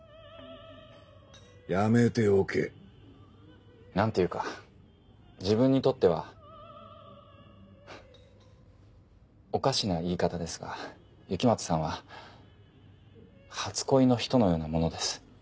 やめておけ何ていうか自分にとってはおかしな言い方ですが雪松さんは初恋の人のようなものです